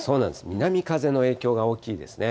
南風の影響が大きいですね。